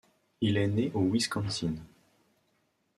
Il est né au Wisconsin.